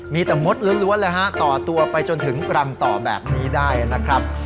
มีแต่มดล้วนเลยฮะต่อตัวไปจนถึงรังต่อแบบนี้ได้นะครับ